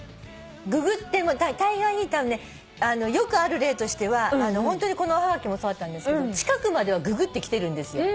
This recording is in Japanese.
ググってもたいがいよくある例としてはこのおはがきもそうだったんですけど近くまではググってきてるんですよ。